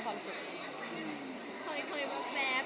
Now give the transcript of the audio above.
หรือเปล่า